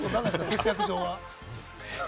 節約上は。